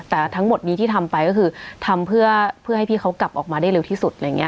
แต่ทั้งหมดนี้ที่ทำไปก็คือทำเพื่อให้พี่เขากลับออกมาได้เร็วที่สุดอะไรอย่างนี้